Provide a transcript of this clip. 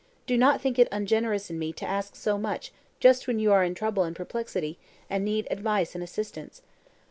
Do not think it ungenerous in me to ask so much just when you are in trouble and perplexity, and need advice and assistance."